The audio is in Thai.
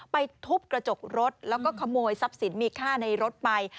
ทุบกระจกรถแล้วก็ขโมยทรัพย์สินมีค่าในรถไป